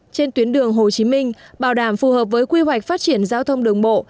trên tuyến đường hồ chí minh bảo đảm phù hợp với quy hoạch phát triển giao thông đường bộ